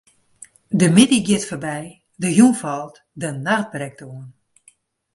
De middei giet foarby, de jûn falt, de nacht brekt oan.